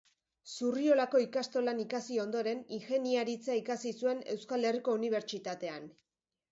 Zurriolako ikastolan ikasi ondoren, ingeniaritza ikasi zuen Euskal Herriko Unibertsitatean.